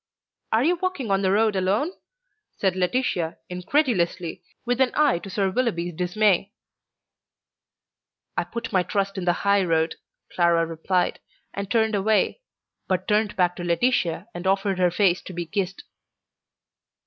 "Are you walking on the road alone?" said Laetitia, incredulously, with an eye to Sir Willoughby's dismay. "I put my trust in the high road," Clara replied, and turned away, but turned back to Laetitia and offered her face to be kissed.